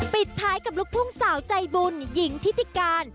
ปิดท้ายกับลูกทุ่งสาวใจบุญหญิงทิติการ